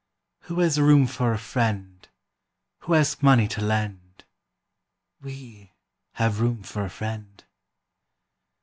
Who has room for a friend Who has money to lend? We have room for a friend!